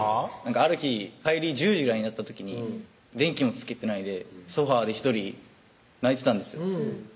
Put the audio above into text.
ある日帰り１０時ぐらいになった時に電気もつけてないでソファーで１人泣いてたんですよ